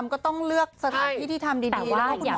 ก็ต้องเลือกสถานที่ที่ทำดีแล้วก็คุณหมอ